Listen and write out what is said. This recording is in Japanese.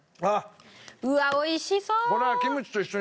うわっ美味しそう！